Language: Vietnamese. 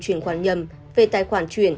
chuyển khoản nhầm về tài khoản chuyển